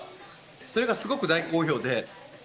それがすごく大好評で。